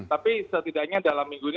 tapi setidaknya dalam minggu ini